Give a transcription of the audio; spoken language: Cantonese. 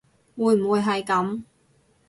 會唔會係噉